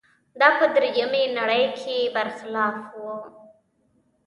دا په درېیمې نړۍ کې برخلاف و.